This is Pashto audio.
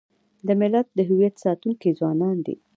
د ملت د هویت ساتونکي ځوانان دي.